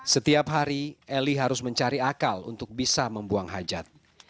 setiap hari eli harus mencari akal untuk bisa membuang hajat